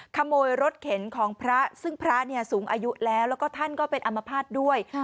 ขโมยรถเข็นของพระซึ่งพระเนี่ยสูงอายุแล้วแล้วก็ท่านก็เป็นอัมพาตด้วย